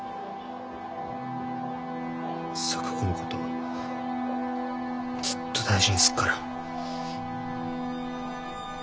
咲子のことずっと大事にすっから。